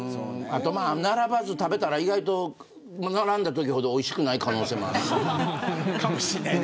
並ばず食べたら意外と並んだときほどおいしくない可能性もあるよね。